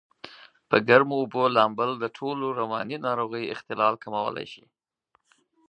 په ګرمو اوبو لامبل دټولو رواني ناروغیو اختلال کمولای شي.